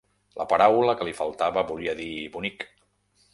La paraula que li faltava volia dir bonic.